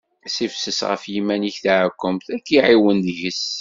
Ssifses ɣef yiman-ik taɛekkemt, ad k-ɛiwnen deg-s.